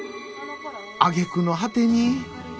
あげくの果てに。